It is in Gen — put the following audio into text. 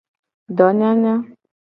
Donyanya.